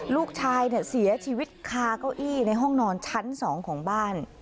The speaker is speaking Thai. ลูกชายเสียชีวิตคาเก้าอี้ในห้องนอนชั้น๒ของบ้าน